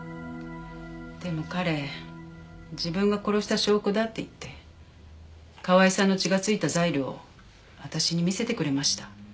でも彼自分が殺した証拠だって言って河合さんの血が付いたザイルを私に見せてくれました。